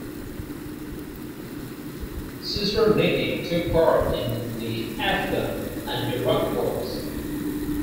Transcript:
"Czernicki" took part in the Afghan and Iraq wars.